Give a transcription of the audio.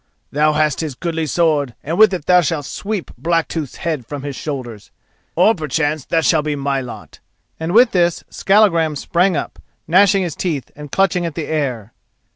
Thou hast his goodly sword and with it thou shalt sweep Blacktooth's head from his shoulders—or perchance that shall be my lot," and with this Skallagrim sprang up, gnashing his teeth and clutching at the air.